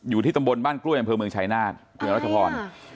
อยู่ที่ตำบลบ้านกล้วยถังเผลอเมืองเนอะรัฐพร